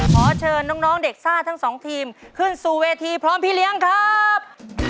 ขอเชิญน้องเด็กซ่าทั้งสองทีมขึ้นสู่เวทีพร้อมพี่เลี้ยงครับ